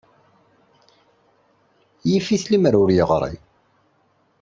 Ur nqebbel.